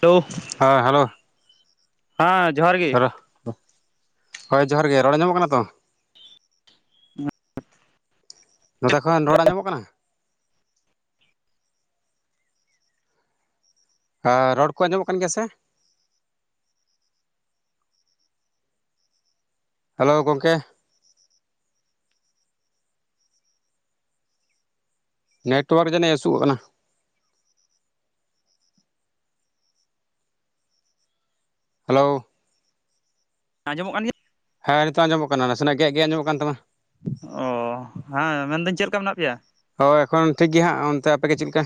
ᱛᱳ ᱦᱟᱸ ᱦᱮᱞᱳ ᱦᱟᱸ ᱡᱚᱦᱟᱨ ᱜᱮ ᱦᱳᱭ ᱡᱚᱦᱟᱨ ᱜᱮ ᱨᱚᱲ ᱟᱸᱡᱚᱢᱚᱜ ᱠᱟᱱᱟ ᱛᱚ ᱱᱚᱛᱮ ᱠᱷᱚᱱ ᱨᱚᱲ ᱟᱸᱡᱚᱢᱚᱜ ᱠᱟᱱᱟ ᱨᱚᱲ ᱠᱚ ᱟᱡᱚᱢᱚᱜ ᱠᱟᱱ ᱜᱮᱭᱟ ᱥᱮ? ᱦᱮᱞᱳ ᱜᱚᱢᱠᱮ? ᱱᱮᱴᱚᱣᱟᱨᱠ ᱡᱟᱱᱤᱡ ᱤᱥᱩᱜᱽ ᱠᱟᱱᱟ ᱾ ᱦᱮᱞᱳ ᱟᱸᱡᱚᱢᱚᱜ ᱠᱟᱱ ᱜᱮᱭᱟ ᱦᱮᱸ ᱱᱤᱛᱚᱜ ᱟᱡᱚᱢᱚᱜ ᱠᱟᱱᱟ ᱱᱟᱥᱮᱱᱟᱜ ᱜᱮᱫ ᱜᱮᱫ ᱟᱡᱚᱢᱚᱜ ᱠᱟᱱ ᱛᱟᱢᱟ ᱾ ᱚ ᱦᱮᱸ ᱢᱮᱱᱫᱟᱹᱧ ᱪᱮᱫ ᱞᱮᱠᱟ ᱢᱮᱱᱟᱜ ᱯᱮᱭᱟ? ᱦᱳᱭ ᱮᱠᱷᱚᱱ ᱴᱷᱤᱠ ᱜᱮᱭᱟ ᱦᱟᱜ ᱚᱱᱛᱮ ᱟᱯᱮᱜᱮ ᱪᱮᱫ ᱞᱮᱠᱟ?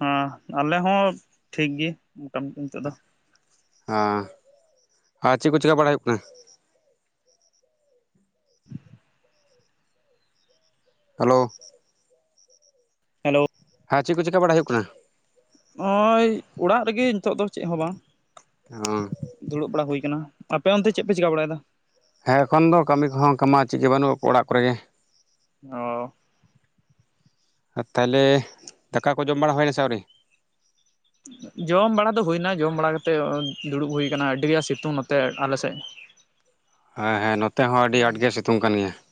ᱦᱮᱸ ᱟᱞᱮ ᱦᱚᱸ ᱴᱷᱤᱠ ᱜᱮ ᱢᱚᱴᱟᱢᱩᱴᱤ ᱱᱤᱛᱳ ᱫᱚ ᱾ ᱦᱟ ᱟᱨ ᱪᱮᱫ ᱠᱚ ᱪᱮᱠᱟ ᱵᱟᱲᱟᱭ ᱦᱟᱯᱮ? [unintelligible] ᱦᱮᱞᱳ? ᱦᱮᱞᱳ? ᱦᱮᱸ ᱪᱮᱫ ᱠᱚ ᱪᱮᱠᱟ ᱵᱟᱲᱟᱭ ᱦᱩᱭᱩᱜ ᱠᱟᱱᱟ? ᱱᱚᱜᱼᱚᱭ ᱚᱲᱟᱜ ᱨᱮᱜᱮ ᱱᱤᱛᱚᱜ ᱫᱚ ᱪᱮᱫ ᱦᱚᱸ ᱵᱟᱝ ᱾ ᱦᱚᱸ ᱫᱩᱲᱩᱵ ᱵᱟᱲᱟ ᱦᱩᱭ ᱟᱠᱟᱱᱟ ᱟᱯᱮ ᱚᱱᱛᱮ ᱪᱮᱫ ᱯᱮ ᱪᱤᱠᱟ ᱵᱟᱲᱟᱭᱮᱫᱟ? ᱦᱮᱸ ᱮᱠᱷᱚᱱ ᱫᱚ ᱠᱟᱹᱢᱤ ᱠᱚᱦᱚᱸ ᱠᱚᱢᱟ ᱪᱮᱫ ᱜᱮ ᱵᱟᱹᱱᱩᱜ ᱚᱱᱠᱟᱢᱟ ᱚᱲᱟᱜ ᱠᱚᱨᱮᱜ ᱜᱮ ᱾ ᱚ ᱛᱟᱦᱚᱞᱮ ᱫᱟᱠᱟ ᱠᱚ ᱡᱚᱢ ᱵᱟᱲᱟ ᱦᱩᱭᱮᱱᱟ ᱥᱮ ᱟᱹᱣᱨᱤ? ᱡᱚᱢ ᱵᱟᱲᱟ ᱫᱚ ᱦᱩᱭᱱᱟ ᱡᱚᱢ ᱵᱟᱲᱟ ᱠᱟᱛᱮᱫ ᱫᱩᱲᱩᱵ ᱦᱩᱭ ᱠᱟᱱᱟ ᱟᱹᱰᱤ ᱟᱴ ᱥᱤᱛᱩᱝ ᱱᱚᱛᱮ ᱟᱞᱮ ᱥᱮᱫ ᱾ ᱦᱮᱸ ᱦᱮᱸ ᱱᱚᱛᱮ ᱦᱚᱸ ᱟᱹᱰᱤ ᱟᱸᱴ ᱜᱮ ᱥᱤᱛᱩᱝ ᱠᱟᱱ ᱜᱮᱭᱟ ᱾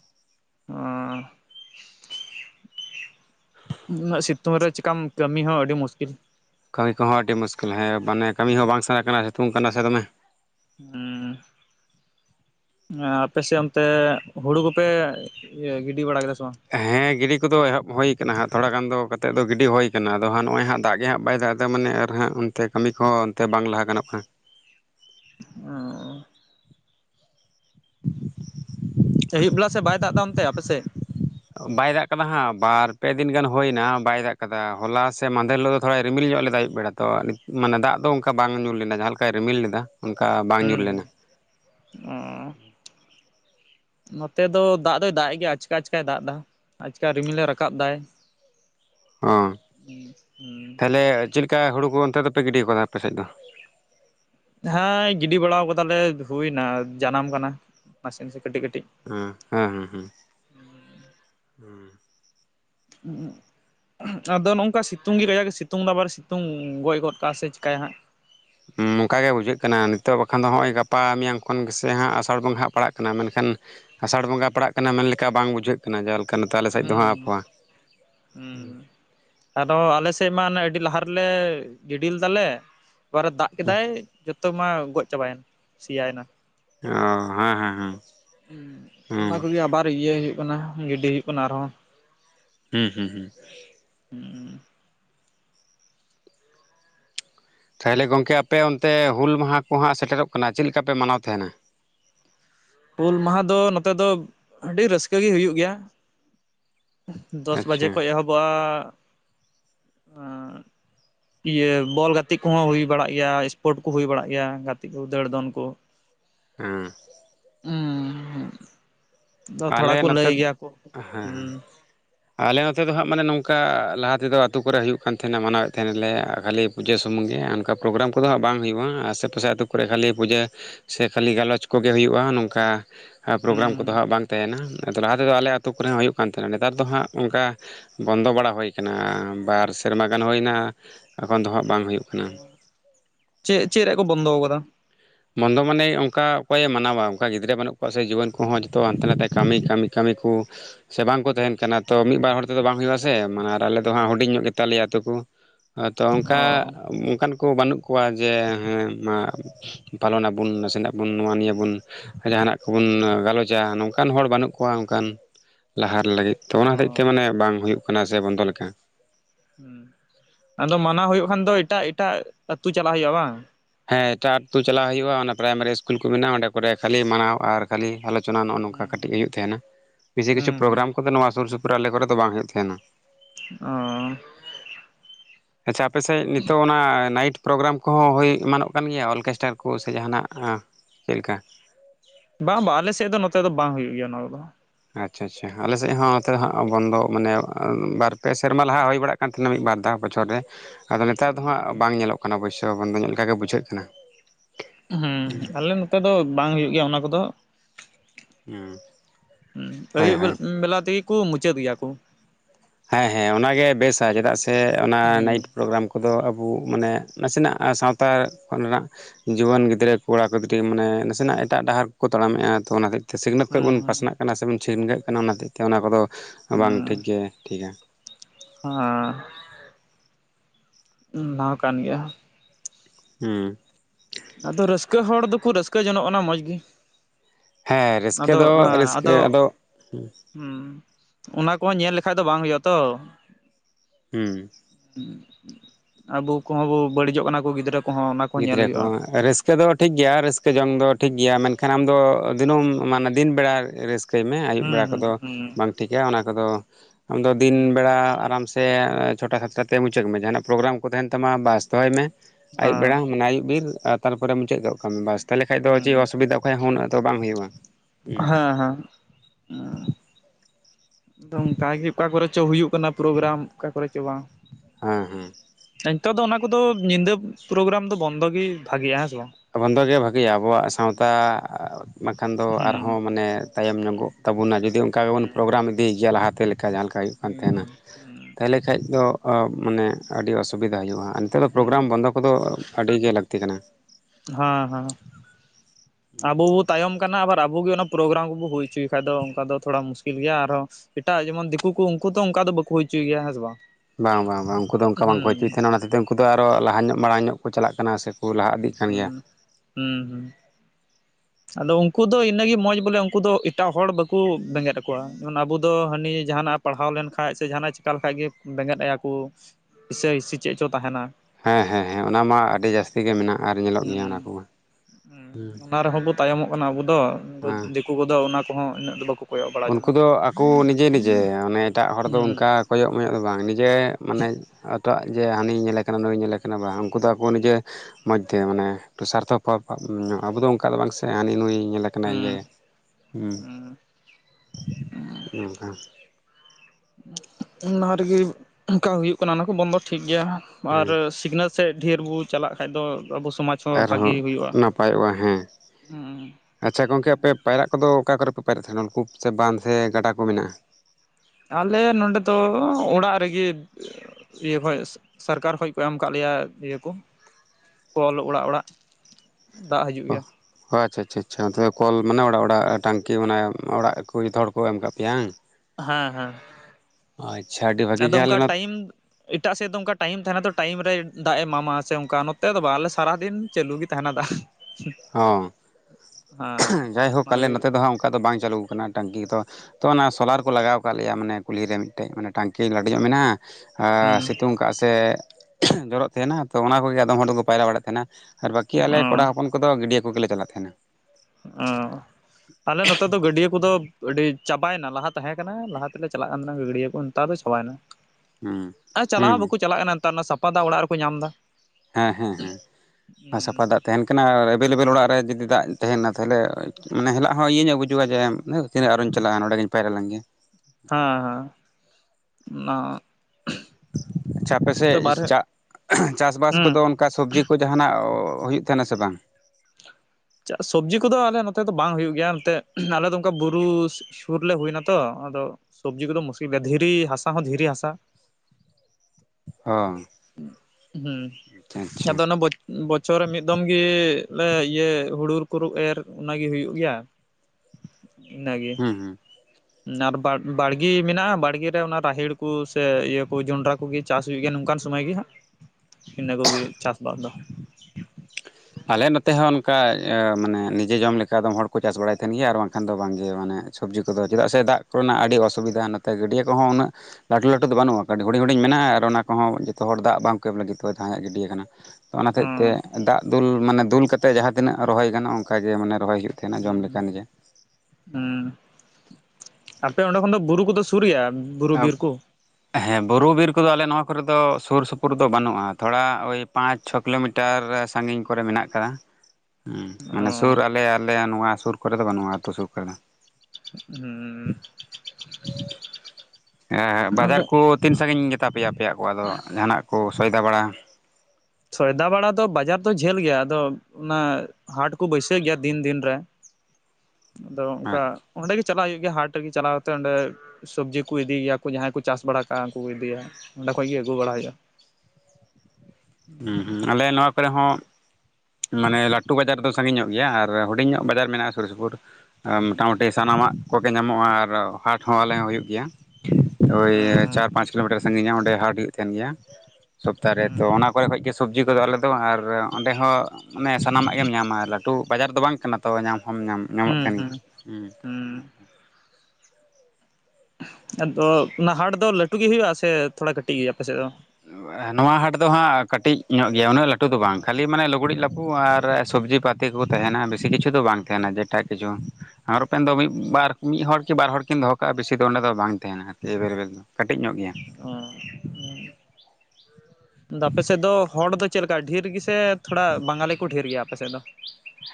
[unintelligible] ᱩᱱᱟᱹᱜ ᱥᱤᱛᱩᱝ ᱨᱮ ᱪᱮᱠᱟᱢ ᱠᱟᱹᱢᱤ ᱦᱚᱸ ᱟᱹᱰᱤ ᱢᱩᱥᱠᱤᱞ ᱾ ᱠᱟᱹᱢᱤ ᱠᱚᱦᱚᱸ ᱟᱹᱰᱤ ᱢᱩᱥᱠᱤᱞ ᱦᱚ ᱢᱟᱱᱮ ᱠᱟᱹᱢᱤ ᱦᱚᱸ ᱵᱟᱝ ᱥᱟᱱᱟ ᱠᱟᱱᱟ ᱥᱤᱛᱩᱝ ᱠᱟᱱᱟ ᱥᱮ ᱫᱚᱢᱮ ᱾ ᱦᱩ ᱟᱯᱮᱥᱮᱫ ᱚᱱᱛᱮ ᱦᱩᱲᱩ ᱠᱚᱯᱮ ᱜᱤᱰᱤ ᱵᱟᱲᱟ ᱠᱮᱫᱟ ᱥᱮ ᱵᱟᱝ? ᱦᱮᱸ ᱜᱤᱰᱤ ᱠᱚᱫᱚ ᱮᱦᱚᱵ ᱦᱩᱭᱭᱟᱠ ᱦᱟᱸᱜ ᱛᱷᱚᱲᱟ ᱜᱟᱱ ᱫᱚ ᱠᱟᱛᱮᱫ ᱫᱚ ᱜᱤᱰᱤ ᱦᱩᱭ ᱟᱠᱟᱱᱟ ᱟ ᱦᱟᱜ ᱱᱚᱜᱼᱚᱭ ᱦᱟᱜ ᱫᱟᱜ ᱜᱮ ᱦᱟᱜ ᱵᱟᱭ ᱫᱟᱜ ᱛᱮ ᱢᱟᱱᱮ ᱟᱨᱦᱟᱜ ᱚᱱᱛᱮ ᱠᱟᱹᱢᱤ ᱠᱚᱦᱚᱸ ᱚᱱᱛᱮ ᱵᱟᱝ ᱞᱟᱦᱟ ᱜᱟᱱᱚᱜ ᱠᱟᱱᱟ ᱾ [unintelligible] ᱟᱹ ᱟᱭᱵ ᱵᱮᱞᱟ ᱵᱟᱭ ᱫᱟᱜ ᱫᱟ ᱟᱯᱮ ᱥᱮᱫ ᱵᱟᱭ ᱫᱟᱜ ᱠᱟᱱᱟᱫᱟ ᱦᱟᱜ ᱵᱟᱨ ᱯᱮ ᱫᱤᱱ ᱜᱟᱱ ᱦᱩᱭᱱᱟ ᱵᱟᱭ ᱫᱟᱜ ᱠᱟᱱᱟ ᱾ ᱟᱠᱟᱫᱟ ᱦᱚᱞᱟ ᱥᱮ ᱢᱟᱫᱮᱨ ᱦᱤᱞᱳᱜ ᱛᱷᱚᱲᱟ ᱨᱤᱢᱤᱞ ᱧᱚᱜ ᱞᱮᱫᱟ ᱟᱹᱭᱩᱵ ᱵᱮᱲᱟ ᱛᱚ ᱢᱟᱱᱮ ᱫᱟᱜ ᱫᱚ ᱚᱱᱠᱟ ᱵᱟᱝ ᱧᱩᱨ ᱞᱮᱱᱟ ᱡᱟᱦᱟ ᱞᱮᱠᱟᱭ ᱨᱤᱢᱤᱞ ᱞᱮᱫᱟ ᱚᱱᱠᱟ ᱵᱟᱝ ᱧᱩᱨ ᱦᱩᱸ ᱞᱮᱱᱟ ᱾ [unintelligible] ᱱᱚᱛᱮ ᱫᱚ ᱫᱟᱜ ᱫᱚᱭ ᱫᱟᱜ ᱮ ᱜᱮᱭᱟ ᱟᱪᱠᱟ ᱟᱪᱠᱟᱭ ᱫᱟᱜ ᱮᱫᱟ ᱟᱪᱠᱟ ᱨᱤᱢᱤᱞ ᱮ ᱨᱟᱠᱟᱵ ᱫᱟᱭ ᱾ [unintelligible] ᱚ ᱛᱟᱦᱚᱞᱮ ᱪᱮᱫ ᱞᱮᱠᱟ ᱦᱩᱲᱩ ᱠᱚ ᱚᱱᱛᱮ ᱫᱚᱯᱮ ᱜᱤᱰᱤ ᱟᱠᱟᱫᱟ ᱟᱯᱮᱥᱮᱫ ᱫᱚ? ᱦᱮ ᱜᱤᱰᱤ ᱵᱟᱲᱟᱣ ᱠᱟᱫᱟᱞᱮ ᱦᱩᱭᱱᱟ ᱡᱟᱱᱟᱢ ᱠᱟᱱᱟ ᱱᱟᱥᱮ ᱱᱟᱥᱮ ᱠᱟᱹᱴᱤᱡ ᱠᱟᱹᱴᱤᱡ ᱾ ᱦᱩ ᱦᱮ ᱦᱮ ᱦᱩ [unintelligible] ᱟᱫᱚ ᱱᱚᱝᱠᱟ ᱥᱤᱛᱩᱝ ᱜᱮ ᱠᱟᱡᱟᱠᱮ ᱥᱤᱛᱩᱝ ᱫᱚ ᱟᱵᱟᱨ ᱥᱤᱛᱩᱝ ᱜᱚᱡ ᱜᱚᱫ ᱠᱟᱜᱼᱟ ᱥᱮ ᱪᱤᱠᱟᱭᱭᱟ ᱦᱟᱜ? ᱦᱩ ᱱᱚᱝᱠᱟ ᱜᱮᱮ ᱵᱩᱡᱷᱟᱹᱜ ᱠᱟᱱᱟ ᱱᱤᱛᱚᱜ ᱵᱟᱠᱷᱟᱱ ᱫᱚ ᱱᱚᱜᱼᱚᱭ ᱜᱟᱯᱟ ᱢᱮᱭᱟᱝ ᱠᱷᱚᱱ ᱜᱮᱥᱮ ᱦᱟᱜ ᱟᱥᱟᱲ ᱵᱚᱝᱜᱟ ᱦᱟᱜ ᱯᱟᱲᱟᱜ ᱠᱟᱱᱟ ᱢᱮᱱᱠᱷᱟᱱ ᱟᱥᱟᱲ ᱵᱚᱸᱜᱟ ᱯᱟᱲᱟᱜ ᱠᱟᱱᱟ ᱢᱮᱱ ᱞᱮᱠᱟ ᱵᱟᱝ ᱵᱩᱡᱷᱟᱹᱜ ᱠᱟᱱᱟ ᱡᱟᱦᱟ ᱞᱮᱠᱟ ᱱᱤᱛᱚᱜ ᱟᱞᱮᱥᱮᱫ ᱫᱚ ᱦᱩᱸ ᱦᱟ ᱦᱩᱸ ᱟᱫᱚ ᱟᱞᱮ ᱥᱮᱫ ᱢᱟ ᱟᱹᱰᱤ ᱞᱟᱦᱟ ᱨᱮᱞᱮ ᱜᱤᱰᱤ ᱞᱮᱫᱟᱞᱮ ᱟᱵᱟᱨᱮ ᱫᱟᱜ ᱠᱮᱫᱟᱭ ᱦᱤᱛᱚ ᱢᱟ ᱜᱚᱡ ᱪᱟᱵᱟᱭᱮᱱ ᱥᱮᱭᱟᱭᱱᱟ ᱾ ᱚ ᱦᱮᱸ ᱦᱮᱸ ᱦᱮᱸ ᱾ ᱦᱚ ᱚᱱᱟ ᱠᱚᱜᱮ ᱟᱵᱟᱨ ᱤᱭᱟᱹ ᱦᱩᱭᱩᱜ ᱠᱟᱱᱟ ᱜᱤᱰᱤ ᱦᱩᱭᱩᱜ ᱠᱟᱱᱟ ᱟᱨᱦᱚ ᱾ ᱦᱩᱸ ᱦᱩᱸ ᱦᱩᱸ ᱦᱩᱸ [unintelligible] ᱛᱟᱦᱚᱞᱮ ᱜᱚᱝᱠᱮ ᱟᱯᱮ ᱚᱱᱛᱮ ᱦᱩᱞ ᱢᱟᱦᱟ ᱠᱚ ᱦᱟᱸᱜ ᱥᱮᱴᱮᱨᱚᱜ ᱠᱟᱱᱟ ᱪᱮᱫ ᱞᱮᱠᱟ ᱯᱮ ᱢᱟᱱᱟᱣ ᱛᱟᱦᱮᱱᱟ? ᱦᱩᱞ ᱢᱟᱦᱟ ᱫᱚ ᱱᱚᱛᱮ ᱫᱚ ᱟᱹᱰᱤ ᱨᱟᱹᱥᱠᱟᱹ ᱜᱮ ᱦᱩᱭᱩᱜ ᱜᱮᱭᱟ᱾ ᱫᱚᱥ ᱵᱟᱡᱮ ᱟᱪᱪᱷᱟ ᱠᱷᱚᱡ ᱮᱦᱚᱵᱚᱜᱼᱟ᱾ ᱟᱸ ᱤᱭᱟᱹ ᱵᱚᱞ ᱜᱟᱛᱮ ᱠᱚᱦᱚᱸ ᱦᱩᱭ ᱵᱟᱲᱟᱜ ᱜᱮᱭᱟ, ᱥᱯᱳᱨᱴ ᱠᱚ ᱦᱩᱭ ᱵᱟᱲᱟᱜ ᱜᱮᱭᱟ, ᱜᱟᱛᱮ ᱠᱚ ᱫᱟᱹᱲ ᱫᱚᱱ ᱠᱚ᱾ ᱦᱩᱸ᱾ ᱦᱩᱸ ᱟᱞᱮ ᱛᱷᱚᱲᱟ ᱠᱚ ᱞᱟᱹᱭ ᱱᱚᱛᱮᱫ ᱜᱮᱭᱟ ᱠᱚ ᱦᱮᱸ ᱦᱮᱸ᱾ ᱦᱩᱸ ᱟᱞᱮ ᱱᱚᱛᱮ ᱫᱚ ᱦᱟᱸᱜ ᱢᱟᱱᱮ ᱱᱚᱝᱠᱟ ᱞᱟᱦᱟ ᱛᱮᱫᱚ ᱟᱛᱳ ᱠᱚᱨᱮ ᱦᱩᱭᱩᱜ ᱠᱟᱱ ᱛᱟᱦᱮᱱᱟ ᱢᱟᱱᱟᱣᱮᱫ ᱛᱟᱦᱮᱱᱟᱞᱮ ᱠᱷᱟᱹᱞᱤ ᱯᱩᱡᱟᱹ ᱥᱩᱢᱩᱝᱜ ᱜᱮ᱾ ᱚᱱᱠᱟ ᱯᱨᱳᱜᱨᱟᱢ ᱠᱚᱫᱚ ᱦᱟᱸᱜ ᱵᱟᱝ ᱦᱩᱭᱩᱜᱼᱟ ᱟᱥᱮ ᱯᱟᱥᱮ ᱟᱹᱛᱩ ᱠᱚᱨᱮ ᱠᱷᱟᱹᱞᱤ ᱯᱩᱡᱟᱹ ᱥᱮ ᱠᱷᱟᱹᱞᱤ ᱜᱟᱞᱚᱪ ᱠᱚᱜᱮ ᱦᱩᱭᱩᱜᱼᱟ, ᱱᱚᱝᱠᱟ ᱦᱩᱸ ᱯᱨᱳᱜᱨᱟᱢ ᱠᱚᱫᱚ ᱦᱟᱸᱜ ᱵᱟᱝ? ᱛᱟᱦᱮᱱᱟ ᱟᱫᱚ ᱞᱟᱦᱟ ᱛᱮᱫᱚ ᱟᱞᱮ ᱟᱛᱳ ᱠᱚᱨᱮ ᱦᱚᱸ ᱦᱩᱭᱩᱜ ᱠᱟᱱ ᱛᱟᱦᱮᱱᱟ ᱱᱮᱛᱟᱨ ᱫᱚ ᱦᱟᱸᱜ ᱚᱱᱠᱟ ᱵᱚᱱᱫᱚ ᱵᱟᱲᱟ ᱦᱩᱭ ᱠᱟᱱᱟ ᱟᱸ ᱵᱟᱨ ᱥᱮᱨᱢᱟ ᱜᱟᱱ ᱦᱩᱭᱱᱟ ᱮᱠᱷᱚᱱ ᱫᱚ ᱦᱟᱸᱜ ᱵᱟᱝ ᱦᱩᱭᱩᱜ ᱠᱟᱱᱟ ᱪᱮᱜ-ᱪᱮᱜ ᱨᱮᱭᱟᱜ ᱠᱚ ᱵᱚᱱᱫᱚ ᱟᱠᱟᱫᱟ? ᱵᱚᱱᱫᱚ ᱢᱟᱱᱮ ᱚᱱᱠᱟ ᱚᱠᱚᱭᱮ ᱢᱟᱱᱟᱣᱟ, ᱚᱱᱠᱟ ᱜᱤᱫᱽᱨᱟᱹ ᱵᱟᱹᱱᱩᱜ ᱠᱚᱣᱟ ᱥᱮ ᱡᱩᱣᱟᱹᱱ ᱠᱚᱦᱚᱸ ᱡᱦᱚᱛᱚ ᱦᱟᱱᱛᱮ ᱱᱟᱛᱮ ᱠᱟᱹᱢᱤ-ᱠᱟᱹᱢᱤ-ᱠᱟᱹᱢᱤ ᱠᱚ ᱥᱮ ᱵᱟᱝᱠᱚ ᱛᱟᱦᱮᱱ ᱠᱟᱱᱟ, ᱛᱚ ᱢᱤᱫ ᱵᱟᱨ ᱦᱚᱲ ᱛᱮᱫᱚ ᱵᱟᱝ ᱦᱩᱭᱩᱜᱼᱟ ᱥᱮ᱾ ᱢᱟᱱᱮ ᱟᱨ ᱟᱞᱮ ᱫᱚ ᱦᱟᱸᱜ ᱦᱩᱰᱤᱧ ᱧᱚᱜ ᱜᱮᱛᱟᱞᱮᱭᱟ ᱟᱹᱛᱩ ᱠᱚ᱾ ᱟ ᱛᱚ ᱚᱱᱠᱟ ᱚ ᱚᱱᱠᱟᱱ ᱠᱚ ᱵᱟᱹᱱᱩᱜ ᱠᱚᱣᱟ ᱡᱮ ᱦᱮᱸ ᱢᱟ ᱯᱟᱞᱚᱱᱟᱵᱚᱱ ᱱᱟᱥᱮᱱᱟᱜ ᱵᱚᱱ ᱱᱚᱣᱟ ᱱᱤᱭᱟᱹ ᱵᱚᱱ ᱦᱩᱸ ᱡᱟᱦᱟᱱᱟᱜ ᱠᱚᱵᱚᱱ ᱜᱟᱞᱚᱪᱟ, ᱱᱚᱝᱠᱟᱱ ᱦᱚᱲ ᱵᱟᱹᱱᱩᱜ ᱠᱚᱣᱟ ᱚᱱᱠᱟᱱ ᱞᱟᱦᱟᱨ ᱞᱮ ᱞᱟᱹᱜᱤᱫ ᱛᱚ ᱚ ᱚᱱᱟ ᱦᱚᱛᱮᱡ ᱛᱮ ᱢᱟᱱᱮ ᱵᱟᱝ ᱦᱩᱭᱩᱜ ᱠᱟᱱᱟ ᱥᱮ ᱵᱚᱱᱫᱚ ᱞᱮᱠᱟ᱾ ᱦᱩᱸ᱾ ᱟᱫᱚ ᱢᱟᱱᱟᱣ ᱦᱩᱭᱩᱜ ᱠᱷᱟᱱ ᱫᱚ ᱮᱴᱟᱜ ᱮᱴᱟᱜ ᱟᱹᱛᱩ ᱪᱟᱞᱟᱜ ᱦᱩᱭᱩᱜᱼᱟ ᱵᱟᱝ? ᱦᱮᱸ ᱮᱴᱟᱜ ᱟᱛᱳ ᱪᱟᱞᱟᱜ ᱦᱩᱭᱩᱜᱼᱟ ᱚᱱᱟ ᱯᱨᱟᱭᱢᱟᱨᱤ ᱤᱥᱠᱩᱞ ᱠᱚ ᱢᱮᱱᱟᱜᱼᱟ ᱚᱸᱰᱮ ᱠᱚᱨᱮ ᱠᱷᱟᱹᱞᱤ ᱢᱟᱱᱟᱣ ᱟᱨ ᱠᱷᱟᱹᱞᱤ ᱟᱞᱚᱪ ᱪᱚᱱᱟ ᱱᱚᱜᱼᱚ ᱱᱚᱝᱠᱟ ᱦᱩᱸ ᱠᱟᱹᱴᱤᱡ ᱦᱩᱭᱩᱜ ᱛᱟᱦᱮᱱᱟ, ᱵᱤᱥᱤ ᱠᱤᱷᱩ ᱦᱩᱸ ᱯᱨᱳᱜᱨᱟᱢ ᱠᱚᱫᱚ ᱱᱚᱣᱟ ᱥᱩᱨ ᱥᱩᱯᱩᱨ ᱟᱞᱮ ᱠᱚᱨᱮ ᱫᱚ ᱵᱟᱝ ᱦᱩᱭᱩᱜ ᱛᱟᱦᱮᱱᱟ᱾ ᱚ᱾ ᱟᱪᱪᱷᱟ ᱟᱯᱮᱥᱮᱡ ᱱᱤᱛᱚᱜ ᱚᱱᱟ ᱱᱟᱭᱤᱴ ᱯᱨᱳᱜᱨᱟᱢ ᱠᱚᱦᱚᱸ ᱦᱩᱭ ᱮᱢᱟᱱᱚᱜ ᱠᱟᱱ ᱜᱮᱭᱟ ᱚᱨᱠᱮᱥᱴᱟᱨ ᱠᱚ ᱥᱮ ᱡᱟᱦᱟᱱᱟᱜ ᱪᱮᱫ ᱞᱮᱠᱟ? ᱵᱟᱝ ᱵᱟᱝ ᱟᱞᱮᱥᱮᱫ ᱫᱚ ᱱᱚᱛᱮ ᱫᱚ ᱵᱟᱝ ᱦᱩᱭᱩᱜ ᱜᱮᱭᱟ ᱚᱱᱟ ᱠᱚᱫᱚ᱾ ᱟᱪᱪᱷᱟ ᱟᱪᱪᱷᱟ, ᱟᱞᱮᱥᱮᱫ ᱦᱚᱸ ᱱᱚᱛᱮ ᱫᱚ ᱦᱟᱸᱜ ᱵᱚᱱᱫᱚ ᱢᱟᱱᱮ ᱵᱟᱨ ᱯᱮ ᱥᱮᱨᱢᱟ ᱞᱟᱦᱟ ᱦᱩᱭ ᱵᱟᱲᱟᱜ ᱠᱟᱱ ᱛᱟᱦᱮᱱᱟ ᱢᱤᱫ ᱵᱟᱨ ᱫᱷᱟᱣ ᱵᱚᱪᱷᱚᱨ ᱨᱮ᱾ ᱟᱫᱚ ᱱᱮᱛᱟᱨ ᱫᱚ ᱦᱟᱸᱜ ᱵᱟᱝ ᱧᱮᱞᱚᱜ ᱠᱟᱱᱟ ᱚᱵᱚᱥᱥᱳ ᱵᱚᱱᱫᱚ ᱧᱚᱜ ᱞᱮᱠᱟ ᱜᱮ ᱵᱩᱡᱷᱟᱹᱜ ᱠᱟᱱᱟ᱾ ᱦᱮᱸ ᱟᱞᱮ ᱱᱚᱛᱮ ᱫᱚ ᱵᱟᱝ ᱦᱩᱭᱩᱜ ᱜᱮᱭᱟ ᱚᱱᱟ ᱠᱚᱫᱚ᱾ ᱦᱳᱭ ᱟᱹᱭᱩᱵ ᱵᱮ ᱦᱳᱭ ᱵᱮᱞ-ᱵᱮᱞᱟ ᱛᱮᱜᱮ ᱠᱚ ᱢᱩᱪᱟᱹᱫ ᱜᱮᱭᱟ ᱠᱚ᱾ ᱦᱮᱸ ᱦᱮᱸ ᱚᱱᱟᱜᱮ ᱵᱮᱥᱟ ᱪᱮᱫᱟᱜ ᱥᱮ, ᱚᱱᱟ ᱱᱟᱭᱤᱴ ᱦᱩᱸ ᱯᱨᱳᱜᱨᱟᱢ ᱠᱚᱫᱚ ᱟᱵ ᱵᱚ ᱢᱟᱱᱮ ᱱᱟᱥᱮᱱᱟᱜ ᱥᱟᱶᱛᱟ ᱚᱸᱰᱮ ᱱᱟᱜ [unintelligible] ᱡᱩᱣᱟᱹᱱ ᱜᱤᱫᱽᱨᱟᱹ ᱠᱚᱲᱟ ᱠᱩᱤᱫᱽᱨᱟᱹ [unintelligible] ᱢᱟᱱᱮ ᱱᱟᱥᱮᱱᱟᱜ ᱮᱴᱟᱜ ᱰᱟᱦᱟᱨ ᱠᱚᱠᱚ ᱛᱟᱲᱟᱢᱮᱫᱼᱟ ᱛᱚ ᱚᱱᱟ ᱠᱦᱟ ᱥᱤᱠᱷᱱᱟᱹᱛ ᱠᱷᱚᱡ ᱦᱩᱸ ᱵᱚᱱ ᱦᱩᱸ ᱯᱟᱥᱱᱟᱜ ᱠᱟᱱᱟ ᱥᱮᱵᱚᱱ ᱪᱷᱤᱱᱜᱟᱹᱜ ᱠᱟᱱᱟ ᱚᱱᱟ ᱦᱚᱛᱮᱡ ᱛᱮ ᱚᱱᱟ ᱠᱚᱫᱚ ᱵᱟᱝ ᱦᱩᱸ ᱴᱷᱤᱠ ᱜᱮ ᱴᱷᱤᱠᱟ᱾ [unintelligible] ᱚᱱᱟ ᱦᱚ ᱠᱟᱱ ᱜᱮᱭᱟ᱾ ᱦᱩᱸ᱾ ᱟᱫᱚ ᱨᱟᱹᱥᱠᱟᱹ ᱦᱚᱲ ᱫᱚᱠᱚ ᱨᱟᱹᱥᱠᱟᱹ ᱡᱚᱱᱚᱜ ᱠᱟᱱᱟ ᱢᱚᱡᱽ ᱜᱮ᱾ ᱦᱮᱸ ᱨᱟᱹᱥᱠᱟᱹ ᱫᱚ ᱨᱟᱹᱥᱠᱟᱹ ᱟᱫᱚ ᱦᱩᱸ, ᱚᱱᱟ ᱠᱚᱦᱚᱸ ᱧᱮᱞ ᱞᱮᱠᱷᱟᱡ ᱫᱚ ᱵᱟᱝ ᱦᱩᱭᱩᱜᱼᱟ ᱛᱚ᱾ ᱦᱩᱸ᱾ ᱟᱵᱚ ᱠᱚᱦᱚᱸ ᱵᱚ ᱵᱟᱹᱲᱤᱡᱚᱜ ᱠᱟᱱᱟ ᱠᱚ ᱜᱤᱫᱽᱨᱟᱹ ᱠᱚᱦᱚᱸ ᱚᱱᱟ ᱠᱚᱦᱚᱸ ᱧᱮᱞ ᱜᱤᱫᱽᱨᱟᱹ ᱠᱚ ᱦᱩᱭᱩᱜᱼᱟ ᱨᱟᱹᱥ ᱨᱟᱹᱥᱠᱟᱹ ᱫᱚ ᱴᱷᱤᱠ ᱜᱮᱭᱟ ᱨᱟᱹᱥᱠᱟᱹ ᱡᱚᱝ ᱫᱚ ᱴᱷᱤᱠ ᱜᱮᱭᱟ ᱢᱮᱱᱠᱷᱟᱱ ᱟᱢ ᱫᱚ ᱫᱤᱱᱟᱹᱢ ᱢᱟᱱᱮ ᱫᱤᱱ ᱵᱮᱲᱟ ᱨᱟᱹᱥ ᱠᱟᱹᱭ ᱢᱮ ᱟᱹᱭᱩᱵ ᱦᱩᱸ ᱵᱮᱲᱟ ᱦᱩᱸ ᱠᱚᱫᱚ ᱦᱩᱸ ᱵᱟᱝ ᱴᱷᱤᱠᱟ ᱚᱱᱟ ᱠᱚᱫᱚ ᱟᱢᱫᱚ ᱦᱩᱸ ᱫᱤᱱ ᱦᱮᱸ ᱵᱮᱲᱟ ᱟᱨᱟᱢ ᱥᱮ ᱥᱮ [unintelligible] ᱪᱷᱚᱴᱟ ᱥᱟᱛᱴᱟ ᱛᱮ ᱢᱩᱪᱟᱹᱫ ᱢᱮ ᱡᱟᱦᱟᱱᱟᱜ ᱯᱨᱳᱜᱨᱟᱢ ᱠᱚ ᱛᱟᱦᱮᱱ ᱛᱟᱢᱟ ᱵᱟᱥ ᱫᱚᱦᱚᱭ ᱢᱮ ᱯᱮᱲᱟ ᱢᱟᱱᱮ ᱟᱹᱩᱵ ᱵᱤᱨ ᱟᱨ ᱛᱟᱨᱯᱚᱨᱮ ᱢᱩᱪᱟᱹᱫ ᱜᱚᱜ ᱠᱟᱜ ᱢᱮ ᱵᱟᱥ, ᱛᱟᱦᱚᱞᱮ ᱠᱷᱟᱡ ᱫᱚ ᱡᱮ ᱦᱩᱸ ᱚᱥᱩᱵᱤᱫᱟ ᱚᱠᱚᱭᱟᱜ ᱦᱚᱸ ᱩᱱᱟᱹᱜ ᱫᱚ ᱵᱟᱝ ᱦᱩᱭᱩᱜᱼᱟ᱾ ᱦᱩᱸ ᱦᱮᱸ ᱦᱮᱸ᱾ ᱟᱫᱚ ᱚᱱᱠᱟ ᱜᱮ ᱚᱠᱟ ᱠᱚᱨᱮ ᱪᱚ ᱦᱩᱭᱩᱜ ᱠᱟᱱᱟ ᱯᱨᱳᱜᱨᱟᱢ ᱚᱠᱟ ᱠᱚᱨᱮ ᱪᱚ ᱵᱟᱝ᱾ ᱦᱮᱸ ᱦᱩᱸ ᱱᱤᱛᱚᱜ ᱫᱚ ᱚᱱᱟ ᱠᱚᱫᱚ ᱧᱤᱫᱟᱹ ᱯᱨᱳᱜᱨᱟᱢ ᱫᱚ ᱵᱚᱱᱫᱚ ᱜᱮ ᱵᱷᱟᱜᱤᱜᱼᱟ ᱦᱮ ᱥᱮ ᱵᱟᱝ? ᱵᱚᱱᱫᱚ ᱜᱮ ᱵᱷᱟᱜᱤᱭᱟ ᱟᱵᱚᱣᱟᱜ ᱥᱟᱶᱛᱟ ᱵᱟᱠᱷᱟᱱ ᱫᱚ ᱦᱩᱸ ᱟᱨᱦᱚᱸ ᱢᱟᱱᱮ ᱛᱟᱭᱚᱢ ᱧᱚᱜᱚᱜ ᱛᱟᱵᱚᱱᱟ ᱡᱩᱫᱤ ᱚᱱᱠᱟ ᱜᱮᱵᱚᱱ ᱦᱩᱸ ᱯᱨᱳᱜᱨᱟᱢ ᱤᱫᱤᱭ ᱜᱮᱭᱟ ᱞᱟᱦᱟᱛᱮ ᱞᱮᱠᱟ ᱡᱟᱦᱟ ᱞᱮᱠᱟ ᱞᱮᱠᱟ ᱦᱩᱭᱩᱜ ᱠᱟᱱ ᱦᱩᱸ ᱛᱟᱦᱮᱱᱟ ᱦᱩᱸ ᱛᱟᱦᱚᱞᱮ ᱠᱷᱟᱡ ᱫᱚ ᱢᱟᱱᱮ ᱟᱹᱰᱤ ᱚᱥᱵᱤᱫ ᱥᱩᱵᱤᱫᱟ ᱦᱩᱭᱩᱜᱼᱟ, ᱱᱤᱛᱟᱨ ᱫᱚ ᱦᱩᱸ ᱯᱨᱳᱜᱨᱟᱢ ᱵᱚᱱᱫᱚ ᱠᱚᱫᱚ ᱟᱹᱰᱤ ᱜᱮ ᱞᱟᱹᱠᱛᱤ ᱠᱟᱱᱟ ᱾ ᱦᱟ ᱦᱟ ᱟᱵᱚ ᱵᱚ ᱛᱟᱭᱚᱢ ᱠᱟᱱᱟ ᱟᱵᱟᱨ ᱟᱵᱚᱜ ᱜᱮ ᱚᱱᱟ ᱯᱨᱳᱜᱨᱟᱢ ᱠᱚᱵᱚ ᱦᱩᱭ ᱦᱚᱪᱚᱭᱮ ᱠᱷᱟᱡ ᱫᱚ ᱚᱱᱠᱟ ᱫᱚ ᱛᱷᱚᱲᱟ ᱢᱩᱥᱠᱤᱞ ᱜᱮᱭᱟ ᱟᱨᱦᱚᱸ ᱮᱴᱟᱜ ᱡᱮᱢᱚᱱ ᱫᱤᱠᱩ ᱠᱚ ᱩᱱᱠᱩ ᱛ ᱚᱱᱠᱟ ᱫᱚ ᱵᱟᱠᱚ ᱦᱩᱭ ᱦᱚᱪᱚᱭ ᱜᱮᱭᱟ ᱦᱮᱸ ᱥᱮ ᱵᱟᱝ? ᱵᱟᱝ ᱵᱟᱝ ᱵᱟᱝ, ᱩᱱᱠᱩ ᱫᱚ ᱚᱱᱠᱟ ᱵᱟᱝᱠᱚ ᱦᱩᱸ ᱦᱤᱡᱩᱭᱮᱫ ᱛᱟᱦᱮᱱᱟ ᱚᱱᱟ ᱛᱮᱫ ᱛᱮ ᱩᱱᱠᱩ ᱫᱚ ᱟᱨᱦᱚ ᱞᱟᱦᱟ ᱧᱚᱜ ᱢᱟᱲᱟᱝ ᱧᱚᱜ ᱠᱚ ᱪᱟᱞᱟᱜ ᱠᱟᱱᱟ ᱥᱮᱠᱚ ᱞᱟᱦᱟ ᱤᱫᱤᱜ ᱠᱟᱱᱟ ᱾ ᱦᱩᱸ ᱦᱩᱸ ᱦᱩᱸ ᱟᱫᱚ ᱩᱱᱠᱩ ᱫᱚ ᱤᱱᱟᱹᱜ ᱜᱮ ᱢᱚᱡᱽ ᱵᱚᱞᱮ ᱩᱱᱠᱩ ᱫᱚ ᱮᱴᱟᱜ ᱦᱚᱲ ᱵᱟᱠᱚ ᱵᱮᱸᱜᱮᱫ ᱟᱠᱚᱣᱟ, ᱡᱮᱢᱚᱱ ᱟᱵᱚ ᱫᱚ ᱦᱟᱹᱱᱤ ᱡᱟᱦᱟᱱᱟᱜ ᱯᱟᱲᱦᱟᱣ ᱞᱮᱱᱠᱷᱟᱡ ᱥᱮ ᱡᱟᱦᱟᱱᱟᱜ ᱮ ᱪᱮᱠᱟ ᱞᱮᱠᱟᱱᱡ ᱜᱮ ᱵᱮᱸᱜᱮᱫ ᱮᱭᱟ ᱠᱚ ᱦᱤᱥᱟᱹ ᱦᱤᱥᱤ ᱪᱮᱫ ᱪᱚ ᱛᱟᱦᱮᱱᱟ ᱾ ᱦᱮᱸ ᱦᱮᱸ ᱦᱮᱸ ᱚᱱᱟ ᱢᱟ ᱟᱹᱰᱤ ᱡᱟᱹᱥᱛᱤ ᱜᱮ ᱢᱮᱱᱟᱜᱼᱟ ᱟᱨ ᱧᱮᱞ ᱦᱮᱸ ᱚᱱᱟ ᱨᱮᱦᱚᱸ ᱵᱚ ᱛᱟᱭᱚᱢᱚᱜ ᱠᱟᱱᱟ ᱟᱵᱚ ᱫᱚ ᱦᱮᱸ ᱩᱱᱠᱩ ᱠᱚᱫᱚ ᱚᱱᱟ ᱠᱚᱦᱚᱸ ᱤᱱᱟᱹᱜ ᱫᱚ ᱵᱟᱠᱚ ᱠᱚᱭᱚᱜ ᱵᱟᱲᱟ ᱩᱱᱠᱩ ᱡᱚᱱᱟ ᱫᱚ ᱟᱠᱚ ᱱᱤᱡᱮ ᱱᱤᱡᱮ ᱢᱟᱱᱮ ᱮᱴᱟᱜ ᱦᱚᱲ ᱫᱚ ᱦᱩᱸ ᱚᱱᱠᱟ ᱠᱚᱭᱚᱜ ᱢᱮ ᱵᱟᱝ ᱱᱤᱡᱮ ᱢᱟᱱᱮ ᱟᱛᱚᱣᱟᱜ ᱡᱮ ᱦᱟᱹᱱᱤ ᱧᱮᱞᱮ ᱠᱟᱱᱟ ᱱᱩᱭ ᱧᱮᱞᱮ ᱠᱟᱱᱟ ᱵᱟᱝ ᱩᱱᱠᱩ ᱫᱚ ᱟᱠᱚ ᱱᱤᱡᱮ ᱢᱚᱡᱽ ᱛᱮ ᱢᱟᱱᱮ ᱥᱟᱨᱛᱷᱯᱚᱨ ᱟᱵᱚ ᱫᱚ ᱚᱱᱠᱟ ᱫᱚ ᱵᱟᱝᱥᱮ ᱦᱟᱹᱱᱤ ᱱᱩᱭ ᱧᱮᱞ ᱦᱩᱸ [unintelligible] ᱦᱩᱸ ᱱᱝᱠᱟ ᱚᱱᱟ ᱨᱮᱜᱮ ᱚᱱᱠᱟ ᱦᱩᱭᱩᱜ ᱠᱟᱱᱟ ᱚᱱᱟ ᱠᱚ ᱵᱚᱱᱫᱚ ᱴᱷᱤᱠ ᱜᱮᱭᱟ ᱦᱮᱸ ᱟᱨ ᱥᱤᱜᱽᱱᱟᱹᱛ ᱥᱮ ᱰᱷᱮᱨ ᱵᱚ ᱪᱟᱞᱟᱜ ᱠᱷᱟᱱᱡ ᱫᱚ ᱟᱵᱚ ᱥᱚᱢᱟᱡᱽ ᱦᱚᱸ ᱵᱷᱟᱜᱮ ᱟᱨᱦᱚᱸ ᱦᱩᱭᱩᱜᱼᱟ ᱱᱟᱯᱟᱭᱚᱜᱼᱟ ᱦᱮᱸ ᱦᱩᱸ ᱟᱪᱪᱷᱟ ᱜᱚᱝᱠᱮ ᱟᱯᱮ ᱯᱟᱭᱨᱟᱜ ᱠᱚᱫᱚ ᱚᱠᱟ ᱠᱚᱨᱮ ᱯᱮ ᱯᱟᱭᱨᱟᱜ ᱛᱟᱦᱮᱸᱱᱟ ᱱᱚᱞᱠᱩᱯ ᱥᱮ ᱵᱟᱸᱫ ᱥᱮ ᱜᱟᱰᱟ ᱠᱚ ᱢᱮᱱᱟᱜᱼᱟ? ᱟᱞᱮ ᱱᱚᱸᱰᱮ ᱫᱚ ᱚᱲᱟᱜ ᱨᱮᱜᱮ ᱤᱭᱟᱹ ᱠᱷᱚᱡ ᱥᱚᱨᱠᱟᱨ ᱠᱷᱚᱡ ᱠᱚ ᱮᱢ ᱟᱠᱟᱫ ᱞᱮᱭᱟ ᱤᱭᱟᱹ ᱠᱚ ᱾ ᱠᱚᱞ ᱚᱲᱟᱜ ᱚᱲᱟᱜ ᱫᱟᱜ ᱦᱤᱡᱩᱜ ᱚ ᱜᱮᱭᱟ ᱾ ᱚ ᱟᱪᱪᱷᱟ ᱟᱪᱪᱷᱟ ᱟᱪᱪᱷᱟ ᱛᱮ ᱠᱚᱞ ᱢᱟᱱᱮ ᱚᱲᱟᱜ ᱚᱲᱟᱜ ᱴᱟᱝᱠᱤ ᱢᱟᱱᱮ ᱚᱲᱟᱜ ᱠᱚ ᱡᱚᱛᱚ ᱦᱚᱲ ᱠᱚ ᱮᱢ ᱟᱠᱟᱫ ᱯᱮᱭᱟ ᱵᱟᱝ? ᱦᱮᱸ ᱦᱮᱸ ᱟᱪᱪᱷᱟ ᱟᱹᱰᱤ ᱵᱷᱟᱹᱜᱤ ᱟᱫᱚ ᱜᱮ ᱚᱱᱠᱟ ᱟᱞᱮ ᱱᱚᱛᱮ ᱴᱟᱭᱤᱢ ᱮᱴᱟᱜ ᱥᱮᱫ ᱫᱚ ᱚᱱᱠᱟ ᱴᱟᱭᱤᱢ ᱛᱟᱦᱮᱱᱟ ᱛᱚ ᱴᱟᱭᱤᱢ ᱨᱮ ᱫᱟᱜ ᱮ ᱮᱢᱟᱢᱟ ᱥᱮ ᱚᱱᱠᱟ ᱱᱚᱛᱮ ᱫᱚ ᱟᱞᱮ ᱥᱟᱨᱟᱫᱤᱱ ᱪᱟᱹᱞᱩ ᱜᱮ ᱛᱟᱦᱮᱱᱟ ᱫᱟᱜ ᱾ [inaudible] ᱦᱚᱸ ᱡᱟᱭᱦᱳᱠ ᱟᱞᱮ ᱚᱱᱟᱜᱮ ᱱᱚᱛᱮ ᱫᱚ ᱦᱟᱜ ᱚᱱᱠᱟ ᱫᱚ ᱵᱟᱝ ᱪᱟᱹᱞᱩ ᱟᱠᱟᱱᱟ ᱾ ᱴᱝᱠᱤ ᱫᱚᱚ ᱛᱚ ᱚᱱᱟ ᱥᱳᱞᱟᱨ ᱠᱚ ᱞᱟᱜᱟᱣ ᱟᱠᱟᱫ ᱞᱮᱭᱟ ᱢᱟᱱᱮ ᱠᱩᱞᱦᱤᱨᱮ ᱢᱤᱫᱴᱮᱡ ᱢᱟᱱᱮ ᱴᱝᱠᱤ ᱞᱟᱹᱴᱩ ᱧᱚᱜ ᱢᱮᱱᱟᱜᱼᱟ, ᱦᱮᱸᱼ ᱥᱤᱛᱩᱝ ᱠᱟᱜᱼᱟ ᱥᱮ ᱡᱚᱨᱚᱜ ᱛᱟᱦᱮᱱᱟ ᱛᱚ ᱚᱱᱟ ᱠᱚᱜᱮ ᱟᱫᱚᱢ ᱦᱚᱲ ᱫᱚᱠᱚ ᱯᱟᱭᱨᱟ ᱵᱟᱲᱮᱫ ᱛᱟᱦᱮᱱᱟ ᱟᱨ ᱵᱟᱹᱠᱤ ᱟᱞᱮ ᱚ ᱠᱚᱲᱟ ᱦᱚᱯᱚᱱ ᱠᱚ ᱠᱚᱫᱚ ᱜᱟᱰᱹᱭᱟᱹ ᱠᱚᱜᱮᱞᱮ ᱪᱟᱞᱟᱜ ᱛᱟᱦᱮᱱᱟ ᱾ ᱚ ᱟᱞᱮ ᱱᱚᱛᱮ ᱫᱚ ᱜᱟᱹᱰᱭᱟᱹ ᱠᱚᱫᱚ ᱟᱹᱰᱤ ᱪᱟᱵᱟᱭᱮᱱᱟ ᱞᱟᱦᱟ ᱛᱟᱦᱮᱸ ᱠᱟᱱᱟ ᱞᱟᱦᱟ ᱛᱮᱞᱮ ᱪᱟᱞᱟᱜ ᱠᱟᱱ ᱛᱟᱦᱮᱱᱟ ᱜᱟᱹᱰᱭᱟᱹ ᱠᱚ ᱱᱮᱛᱟᱨ ᱫᱚ ᱪᱟᱵᱟᱭᱮᱱᱟ ᱾ ᱦᱩᱸ ᱟᱨ ᱪᱟᱞᱟᱣ ᱦᱩᱸ ᱦᱚᱸ ᱵᱟᱠᱚ ᱪᱟᱞᱟᱜ ᱠᱟᱱᱟ ᱱᱮᱛᱟᱨ ᱥᱟᱯᱷᱟ ᱫᱟ ᱚᱲᱟᱜ ᱨᱮᱠᱚ ᱧᱟᱢ ᱮᱫᱟ ᱾ ᱦᱮᱸ ᱦᱮᱸ ᱦᱮᱸ ᱟᱨ ᱥᱟᱯᱟ ᱫᱟᱜ ᱛᱟᱦᱮᱱ ᱠᱟᱱᱟ ᱟᱨ ᱮᱵᱮᱞᱮᱵᱮᱞ ᱚᱲᱟᱜ ᱨᱮ ᱡᱩᱫᱤ ᱫᱟᱜ ᱛᱟᱦᱮᱱᱟ ᱛᱟᱦᱚᱞᱮᱟᱱᱮ ᱦᱮᱟᱜ ᱦᱚᱸ ᱤᱭᱟᱹ ᱧᱚᱜ ᱵᱩᱡᱷᱟᱹᱜᱼᱟ ᱡᱮ ᱪᱮᱫᱟᱜ ᱟᱨᱦᱚᱸᱤᱧ ᱪᱟᱞᱟᱜᱼᱟ ᱱᱚᱰᱮᱧ ᱯᱟᱭᱨᱟ ᱞᱮᱱ ᱜᱮ ᱾ ᱦᱮᱸ ᱦᱮᱸ ᱚᱱᱟ ᱟᱪᱪᱷᱟ ᱵᱟᱨᱦᱮ ᱟᱯᱮᱥᱮᱫ ᱪᱟᱥᱼᱵᱟᱥ ᱠᱚᱫᱚ ᱦᱩᱸ ᱚᱱᱠᱟ ᱥᱚᱵᱽᱡᱤ ᱠᱚ ᱡᱟᱦᱟᱱᱟᱜ ᱦᱩᱭᱩᱜ ᱛᱟᱦᱮᱱᱟ ᱥᱮ ᱵᱟᱝ? ᱪᱟᱜ ᱥᱚᱵᱽᱡᱤ ᱠᱚᱫᱚ ᱟᱞᱮ ᱱᱚᱛᱮ ᱫᱚ ᱵᱟᱝ ᱦᱩᱭᱩᱜ ᱜᱮᱭᱟ ᱮᱱᱛᱮᱫ ᱟᱞᱮ ᱫᱚ ᱚᱱᱠᱟ ᱵᱩᱨᱩ ᱥᱩᱨ ᱞᱮ ᱦᱩᱭᱱᱟ ᱛᱚ ᱟᱫᱚ ᱥᱚᱵᱡᱤ ᱠᱚᱫᱚ ᱢᱩᱥᱠᱤᱞ ᱜᱮᱭᱟ ᱫᱷᱤᱨᱤ ᱦᱟᱥᱟ ᱦᱚᱸ ᱫᱷᱤᱨᱤ ᱦᱟᱥᱟ ᱦᱚᱸ ᱦᱩᱸ ᱟᱫᱚ ᱱᱟᱵᱚᱡ ᱵᱚᱪᱷᱚᱨ ᱨᱮ ᱢᱤᱫ ᱫᱚᱢ ᱜᱮᱻ ᱞᱮ ᱤᱭᱟᱹ ᱦᱩᱲᱩᱨ ᱠᱩᱨᱩ ᱮᱨ ᱚᱱᱟᱜᱮ ᱦᱩᱭᱩᱜ ᱜᱤᱭᱟ ᱤᱱᱟᱹᱜᱮ ᱦᱩᱸ ᱦᱩᱸ ᱟᱨ ᱵᱟᱲ ᱵᱟᱲᱜᱮ ᱢᱮᱱᱟᱜᱼᱟ ᱵᱟᱲᱜᱮ ᱨᱮ ᱚᱱᱟ ᱨᱟᱦᱮᱲ ᱠᱚ ᱥᱮ ᱤᱭᱟᱹ ᱠᱚ ᱡᱚᱱᱰᱨᱟ ᱠᱚᱜᱮ ᱪᱟᱥ ᱦᱩᱭᱩᱜ ᱜᱮᱭᱟ ᱱᱩᱝᱠᱟᱱ ᱥᱳᱢᱚᱭ ᱜᱮ ᱦᱟᱸᱜ ᱤᱱᱟᱹ ᱠᱚᱜᱮ ᱪᱟᱥ ᱵᱟᱥ ᱫᱚ ᱟᱞᱮ ᱱᱚᱛᱮ ᱦᱚᱸ ᱚᱱᱠᱟ ᱢᱟᱱᱮ ᱱᱤᱡᱮ ᱡᱚᱢ ᱞᱮᱠᱟ ᱟᱫᱚᱢ ᱦᱚᱲᱠᱚ ᱪᱟᱥ ᱵᱟᱲᱟᱭ ᱛᱟᱦᱮᱱ ᱜᱮᱭᱟ ᱟᱨ ᱵᱟᱝᱠᱷᱟᱱ ᱫᱚ ᱵᱟᱝᱜᱮ ᱢᱟᱱᱮ ᱥᱚᱵᱽᱡᱤ ᱠᱚᱫᱚ ᱪᱮᱫᱟᱜ ᱥᱮ ᱫᱟᱜ ᱠᱚᱨᱮᱱᱟᱜ ᱟᱹᱰᱤ ᱚᱥᱩᱵᱤᱫᱟ ᱱᱚᱛᱮ ᱜᱟᱹᱰᱭᱟᱹ ᱠᱚᱦᱚᱸ ᱩᱱᱟᱹᱜ ᱞᱟᱹᱴᱩ ᱞᱟᱹᱴᱩ ᱫᱚ ᱵᱟᱹᱱᱩᱜᱼᱟ ᱠᱟᱹᱴᱰᱤ ᱦᱩᱰᱤᱧ ᱦᱩᱰᱤᱧ ᱢᱮᱱᱟᱜᱼᱟ ᱟᱨ ᱚᱱᱟ ᱠᱚᱦᱚᱸ ᱡᱚᱛᱚ ᱦᱚᱲ ᱫᱟᱜ ᱵᱟᱝ ᱠᱚ ᱮᱢ ᱞᱟᱹᱜᱤᱫᱚᱜᱼᱟ ᱡᱟᱦᱟᱸᱭᱟᱜ ᱜᱟᱹᱰᱤᱭᱟᱹ ᱠᱟᱱᱟ ᱚᱱᱟ ᱦᱮᱡ ᱛᱮ ᱦᱮᱸ ᱫᱟᱜ ᱫᱩᱞ ᱢᱟᱱᱮ ᱫᱩᱞ ᱠᱟᱛᱮᱜ ᱡᱟᱦᱟᱸ ᱛᱤᱱᱟᱹᱜ ᱨᱚᱦᱚᱭ ᱜᱟᱱᱚᱜᱼᱟ ᱚᱱᱠᱟ ᱜᱮ ᱢᱟᱱᱮ ᱨᱚᱦᱚᱭ ᱦᱩᱭᱩᱜ ᱛᱟᱦᱮᱱᱟ ᱡᱚᱢ ᱞᱮᱠᱟ ᱦᱩᱸ ᱱᱤᱡᱮ ᱦᱩᱸ ᱦᱩᱸ ᱟᱯᱮ ᱚᱸᱰᱮ ᱠᱷᱚᱱ ᱫᱚ ᱵᱩᱨᱩ ᱠᱩᱫᱚ ᱥᱩᱨ ᱜᱮᱭᱟ ᱵᱩᱨᱩ ᱵᱤᱨ ᱠᱩ ᱦᱮᱸ ᱵᱩᱨᱩ ᱵᱤᱨ ᱠᱩᱫᱚ ᱟᱞᱮ ᱱᱚᱣᱟ ᱠᱚᱨᱮ ᱫᱚ ᱥᱩᱨ ᱥᱩᱯᱩᱨ ᱫᱚ ᱵᱟᱹᱱᱩᱜᱼᱟ ᱛᱷᱚᱲᱟ ᱳᱭ ᱯᱟᱸᱪ ᱪᱷᱚ ᱠᱤᱞᱳᱢᱤᱴᱟᱨ ᱥᱟᱺᱜᱤᱧ ᱠᱚᱨᱮ ᱢᱮᱱᱟᱜ ᱟᱠᱟᱫᱟ [inaudible] ᱦᱚᱸ ᱢᱟᱱᱮ ᱥᱩᱨ ᱚ ᱟᱞᱮ ᱟᱞᱮ ᱱᱚᱣᱟ ᱥᱩᱨ ᱠᱚᱨᱮ ᱫᱚ ᱵᱟᱹᱱᱩᱜᱼᱟ ᱟᱹᱛᱩ ᱥᱩᱨ ᱠᱚᱨᱮ ᱫᱚ ᱦᱩᱸ ᱮᱻ ᱵᱟᱡᱟᱨ ᱠᱚ ᱛᱤᱱ ᱥᱟᱺᱜᱤᱧ ᱜᱮᱛᱟ ᱯᱮᱭᱟ ᱟᱯᱮᱭᱟᱜ ᱠᱚ ᱟᱫᱚ ᱡᱟᱦᱟᱱᱟᱜ ᱠᱚ ᱥᱚᱭᱫᱟ ᱵᱟᱲᱟ ᱥᱚᱭᱫᱟ ᱵᱟᱲᱟ ᱫᱚ ᱵᱟᱡᱟᱨ ᱫᱚ ᱡᱷᱟᱹᱞ ᱜᱮᱭᱟ ᱟᱫᱚ ᱚᱱᱟ ᱦᱟᱴ ᱠᱚ ᱵᱟᱹᱭᱥᱟᱹᱣ ᱜᱮᱭᱟ ᱫᱤᱱ ᱫᱤᱱ ᱨᱮ ᱟᱫᱚ ᱚᱱᱠᱟ ᱚᱸᱰᱮ ᱜᱮ ᱪᱟᱞᱟᱜ ᱦᱩᱭᱩᱜ ᱜᱮᱭᱟ ᱦᱟᱴ ᱨᱮᱜᱮ ᱪᱟᱞᱟᱣ ᱠᱟᱛᱮ ᱚᱸᱰᱮ ᱥᱚᱵᱽᱡᱤ ᱠᱩ ᱤᱫᱤᱭ ᱜᱤᱭᱟ ᱠᱩ ᱡᱟᱦᱟᱸᱭ ᱠᱩ ᱪᱟᱥ ᱵᱟᱲᱟ ᱠᱟᱜᱼᱟ ᱩᱱᱠᱩ ᱠᱚ ᱤᱫᱤᱭᱟ ᱚᱸᱰᱮ ᱠᱷᱚᱡ ᱜᱤ ᱟᱹᱜᱩ ᱵᱟᱲᱟᱟᱭ ᱦᱩᱭᱩᱜᱼᱟ ᱦᱸ ᱦᱸ ᱟᱞᱮ ᱱᱚᱣᱟ ᱠᱚᱨᱮ ᱦᱚᱸᱚᱸ ᱢᱟᱱᱮ ᱞᱟᱹᱴᱩ ᱵᱟᱡᱟᱨ ᱫᱚ ᱥᱟᱺᱜᱤᱧ ᱧᱚᱜ ᱜᱮᱭᱟ ᱟᱨ ᱦᱩᱰᱤᱧ ᱧᱚᱜ ᱵᱟᱡᱟᱨ ᱢᱮᱱᱟᱜᱼᱟ ᱥᱩᱨ ᱥᱩᱯᱩᱨ ᱟᱨ ᱢᱳᱚᱴᱟᱢᱩᱴᱤ ᱥᱟᱱᱟᱢᱟᱜ ᱠᱚᱜᱮ ᱧᱟᱢᱚᱜᱼᱟ ᱟᱨ ᱦᱟᱴ ᱦᱚᱸ ᱟᱞᱮ ᱦᱚᱸ ᱦᱩᱭᱩᱜ ᱜᱮᱭᱟ ᱳᱭ ᱦᱩᱸ ᱪᱟᱨ ᱯᱟᱸᱪ ᱠᱤᱞᱳᱢᱤᱴᱟᱨ ᱥᱟᱺᱜᱤᱧᱟ ᱚᱸᱰᱮ ᱦᱟᱴ ᱦᱩᱭᱩᱜᱭᱳ ᱛᱟᱦᱮᱱ ᱜᱮᱭᱟ ᱥᱚᱯᱛᱟᱦᱚᱨᱮ ᱛᱚ ᱚᱱᱟ ᱠᱚᱨᱮ ᱠᱷᱚᱱᱚᱡ ᱜᱮ ᱥᱵᱡ ᱡᱤ ᱠᱚᱫᱚ ᱟᱞᱮᱫᱚ ᱟᱨ ᱚᱸᱰᱮ ᱦᱚᱸ ᱢᱟᱱᱮ ᱥᱟᱱᱟᱢᱟᱜ ᱜᱮᱢ ᱧᱟᱢᱟ ᱞᱟᱹᱴ ᱴᱩ ᱵᱟᱡᱟᱨ ᱫᱚ ᱵᱟᱝ ᱠᱟᱱᱟ ᱛᱚ ᱧᱟᱢ ᱦᱚᱢ ᱧᱟᱢ ᱧᱟᱢᱚᱜ ᱦᱩᱸ ᱛᱟᱦᱮᱱ ᱦᱩᱸ ᱦᱩᱸ ᱜᱮᱭᱟ ᱦᱩ ᱟᱫᱚ ᱚᱱᱟ ᱦᱟᱴ ᱫᱚ ᱞᱟᱹᱴᱩ ᱜᱮ ᱦᱩᱭᱩᱜᱼᱟ ᱥᱮ ᱛᱷᱚᱲᱟ ᱠᱟᱹᱴᱤᱡ ᱜᱤ ᱟᱯᱮ ᱥᱮᱫ ᱫᱚ ᱱᱚᱣᱟ ᱦᱟᱴ ᱫᱚ ᱦᱟᱸᱜ ᱠᱟᱹᱴᱤᱡ ᱧᱚᱜ ᱜᱮᱭᱟ ᱩᱱᱟᱹᱜ ᱞᱟᱹᱴᱩ ᱫᱚ ᱵᱟᱝ ᱠᱷᱟᱹᱞᱤ ᱢᱟᱱᱮ ᱞᱩᱜᱽᱲᱤᱡ ᱞᱟᱴᱩ ᱟᱨ ᱥᱚᱵᱡᱤ ᱯᱟᱛ ᱤ ᱛᱮᱠᱚ ᱛᱟᱦᱮᱱᱟ ᱵᱮᱥᱤ ᱠᱤᱪᱷᱩ ᱫᱚ ᱵᱟᱝ ᱛᱟᱦᱮᱱᱟ ᱡᱮ ᱮᱴᱟᱜ ᱠᱤᱪᱷᱩ ᱟᱨ ᱦᱚᱨᱚᱜ ᱯᱮᱱ ᱫᱚ ᱢᱤᱫ ᱵᱟᱨ ᱢᱤᱫ ᱦᱚᱲ ᱠᱤ ᱵᱟᱨ ᱦᱚᱲ ᱠᱤᱱ ᱫᱚᱦᱚ ᱠᱟᱜᱼᱟ ᱵᱮᱥᱤ ᱫᱚ ᱚᱸᱰᱮ ᱫᱚ ᱵᱟᱝ ᱛᱟᱦᱮᱱᱟ ᱮᱵᱮᱞᱮᱵᱮᱞ ᱫᱚ ᱠᱟᱹᱴᱤᱡ ᱧᱚᱜ ᱜᱮᱭᱟ ᱚ ᱫᱚ ᱟᱯᱮ ᱥᱮᱫ ᱫᱚ ᱦᱚᱲ ᱫᱚ ᱪᱮᱫᱞᱮᱠᱟ ᱰᱷᱮᱨ ᱜᱮᱥᱮ ᱛᱷᱚᱲᱟ ᱵᱟᱝᱜᱟᱞᱤ ᱠᱚ ᱰᱷᱮᱨ ᱜᱮᱭᱟ ᱟᱯᱮ ᱥᱮᱫ ᱫᱚ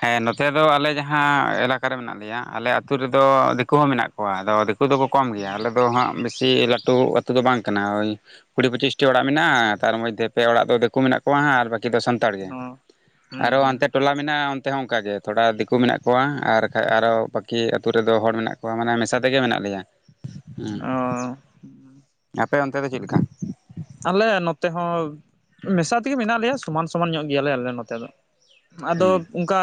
ᱦᱮᱸ ᱱᱚᱛᱮ ᱫᱚ ᱟᱞᱮ ᱡᱟᱦᱟᱸ ᱮᱞᱟᱠᱟᱮ ᱢᱮᱱᱟᱜ ᱞᱮᱭᱟ ᱟᱞᱮ ᱟᱹᱛᱩᱳ ᱨᱮᱫᱚ ᱫᱤᱠᱩ ᱦᱚᱸ ᱢᱮᱱᱟᱜ ᱠᱚᱣᱟ ᱟᱫᱚ ᱫᱤ ᱠᱩ ᱫᱚᱠᱚ ᱠᱚᱢ ᱜᱮᱭᱟ ᱟᱞᱮᱫᱚ ᱦᱟᱸᱜ ᱵᱮᱥᱤ ᱞᱟᱹᱴᱩ ᱟᱹᱛᱩ ᱫᱚ ᱵᱟᱝ ᱠᱟᱱᱟ ᱳᱭ ᱠᱩᱲᱤ ᱯᱚᱸᱪᱤᱥᱴᱤ ᱚᱲᱟᱜ ᱢᱮᱱᱟᱜᱼᱟ ᱛᱟᱨ ᱢᱚᱫᱽᱫᱷᱮ ᱯᱮ ᱚᱲᱟᱜ ᱫᱚ ᱫᱤᱠᱩ ᱢᱮᱱᱟᱜ ᱠᱚᱣᱟᱟᱸ ᱟᱨ ᱵᱟᱹᱠᱤ ᱫᱚ ᱥᱟᱱ ᱛᱟᱲ ᱜᱮ ᱚ ᱦᱩᱸ ᱟᱨᱳ ᱦᱩᱸ ᱦᱱᱛᱮ ᱴᱚᱞᱟ ᱢᱮᱱᱟᱜᱼᱟ ᱚᱱ ᱛᱮᱦᱚᱸ ᱚᱱᱠᱟᱜ ᱜᱮ ᱛᱷᱚᱲᱟ ᱫᱤᱠᱩ ᱢᱮᱱᱟᱜ ᱠᱚᱣᱟ ᱟᱨ ᱵᱟᱠᱟᱡ ᱟᱨᱚ ᱵᱟᱹᱠᱤ ᱟᱹᱛᱩ ᱨᱮᱫᱚ ᱦᱚᱲ ᱢᱮᱱᱟᱜ ᱠᱚᱣᱟ ᱢᱟᱱᱮ ᱢᱮᱥᱟ ᱛᱮᱜᱮ ᱢᱮᱱᱟᱜ ᱞᱮᱭᱟ ᱚ ᱟᱯᱮ ᱚᱱᱛᱮ ᱫᱚ ᱪᱮᱫᱮ ᱞᱮᱠᱟ ᱟᱞᱮ ᱱᱚᱛᱮ ᱦᱚᱸ ᱢᱮᱥᱟ ᱛᱮᱜᱮ ᱢᱮᱱᱟᱜ ᱞᱮᱭᱟ ᱥᱚᱢᱟᱱ ᱥᱚᱢᱟᱱ ᱧᱚᱜ ᱜᱮᱭᱟᱞᱮ ᱟᱞᱮ ᱱᱚᱛᱮ ᱫᱚ ᱟᱫᱚ ᱦᱩᱸ ᱚᱱᱠᱟ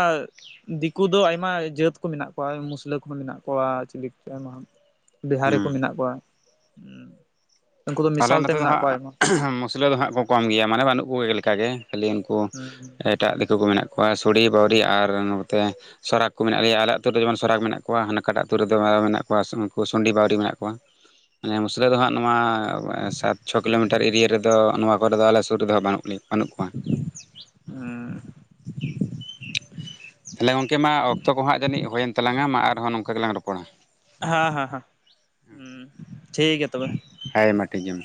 ᱫᱤᱠᱩ ᱫᱚ ᱟᱭᱢᱟ ᱡᱟᱹᱛ ᱠᱚ ᱢᱮᱱᱟᱜ ᱠᱚᱣᱟ ᱢᱩᱥᱞᱟᱹ ᱠᱚᱦᱚᱸ ᱢᱮᱱᱟᱜ ᱠᱚᱣᱟ ᱪᱤᱞᱤ ᱟᱭᱢᱟ ᱵᱤᱦᱟᱨ ᱨᱮ ᱦᱩᱸ ᱠᱩ ᱢᱮᱱᱟᱜ ᱠᱚᱣᱟ ᱩᱱᱠᱩ ᱫᱚ ᱚᱞᱮ ᱢᱮᱥᱟᱞ ᱛᱮ ᱱᱚᱛᱮ ᱫᱚ ᱢᱮᱱᱟᱜ ᱠᱚᱣᱟ ᱟᱭᱢᱟ ᱦᱟᱸᱜ ᱢᱩᱥᱞᱟᱹ ᱫᱚ ᱦᱟᱸᱜ ᱠᱚ ᱠᱚᱢ ᱜᱮᱭᱟ ᱢᱟᱱᱮ ᱵᱟᱹᱱᱩᱜ ᱠᱚᱜᱮᱠᱟ ᱜᱮ ᱠᱷᱟᱹᱞᱤ ᱩᱱᱠ ᱩ ᱦᱩᱸ ᱮᱴᱟᱜ ᱫᱤᱠᱩ ᱠᱚ ᱢᱮᱱᱟᱜ ᱠᱚᱣᱟ ᱥᱩᱲᱤ ᱵᱟᱹᱣᱨᱤ ᱟᱨ ᱱᱚᱛᱮ ᱥᱟᱨᱟᱠ ᱠᱩ ᱢᱮᱱᱟᱜ ᱞᱮᱭᱟ ᱟᱞᱮ ᱟᱛᱩᱨᱮ ᱡᱮᱢᱚᱱ ᱥᱟᱨᱟᱠ ᱢᱮᱱᱟᱜ ᱠᱚᱣᱟ ᱦᱟᱱᱟᱠᱟᱴᱟᱜ ᱟᱹᱛᱩ ᱨᱮᱫᱚ ᱢ ᱢᱮᱱᱟᱜ ᱠᱚᱣᱟ ᱩᱱᱠᱩ ᱥᱩᱱᱰᱤ ᱵᱟᱹᱣᱨᱤ ᱢᱮᱱᱟᱜ ᱠᱚᱣᱟ [inaudible] ᱢᱟᱱᱮ ᱢᱩᱥᱞᱟᱹ ᱫᱚ ᱦᱟᱸᱜ ᱱᱚᱣᱟᱻ ᱥᱟᱛ ᱪᱷᱚ ᱠᱤᱞᱳᱢᱤᱴᱟᱨ ᱮᱨᱤᱭᱟ ᱨᱮᱫᱚ ᱱᱚᱣᱟ ᱠᱚᱨᱮ ᱫᱚ ᱟᱞᱮ ᱥᱩᱨ ᱨᱮᱫᱚᱦᱚ ᱵᱟᱹᱱᱩᱜ ᱞᱮᱭᱟ ᱵᱟᱹᱱᱩᱜ ᱠᱚᱣᱟ ᱦᱩᱸ ᱛᱟᱦᱚᱞᱮ ᱜᱚᱝᱠᱮ ᱢᱟ ᱚᱠᱛᱚ ᱠᱚ ᱦᱟᱸᱜ ᱡᱟᱹᱱᱤᱡ ᱦᱳᱭ ᱮᱱ ᱛᱟᱞᱟᱝᱼᱟ ᱢᱟ ᱟᱨᱦᱚᱸ ᱱᱚᱝᱠᱟ ᱜᱮᱞᱟᱝ ᱨᱚᱯᱚᱲᱟ᱾ ᱦᱟᱸ ᱦᱟᱸ ᱦᱟᱸ [unintelligible] ᱴᱷᱤᱠ ᱜᱮᱭᱟ ᱛᱚᱵᱮ᱾ ᱦᱟᱭ ᱢᱟ ᱴᱤᱡᱚᱢ᱾